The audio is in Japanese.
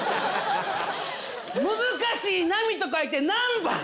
難しい波と書いてなんば！